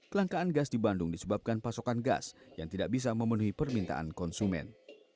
kelangkaan gas di bandung disebabkan pasokan gas yang tidak bisa memenuhi permintaan konsumen